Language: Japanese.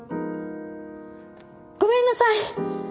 ごめんなさい！